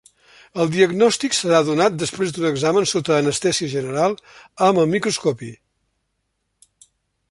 El diagnòstic serà donat després d'un examen sota anestèsia general, amb el microscopi.